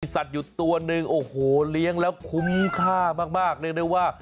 สัตว์อยู่ตัวหนึ่งโอ้โหเลี้ยงแล้วคุ้มค่ามากเรียกได้ว่า